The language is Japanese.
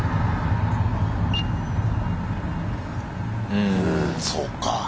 うんそうか。